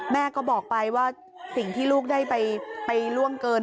แม่ก็บอกไปว่าสิ่งที่ลูกได้ไปล่วงเกิน